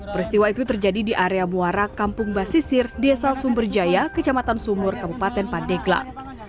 peristiwa itu terjadi di area muara kampung basisir desa sumberjaya kecamatan sumur kabupaten pandeglang